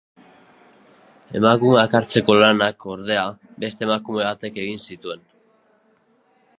Emakumeak hartzeko lanak, ordea, beste emakume batek egiten zituen.